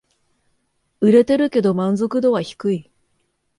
売れてるけど満足度は低い